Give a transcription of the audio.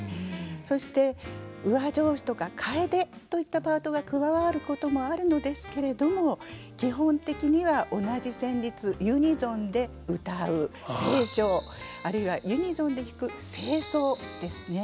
そして上調子とか替手といったパートが加わることもあるのですけれども基本的には同じ旋律ユニゾンでうたう斉唱あるいはユニゾンで弾く斉奏ですね。